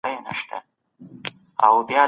ښه ليکوال تل خپله ليکنه د ټولني لپاره کوي.